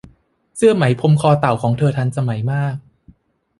เสื้อไหมพรมคอเต่าของเธอทันสมัยมาก